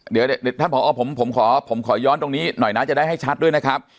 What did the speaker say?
เดี๋ยวท่านผอผมขอผมขอย้อนตรงนี้หน่อยนะจะได้ให้ชัดด้วยนะครับ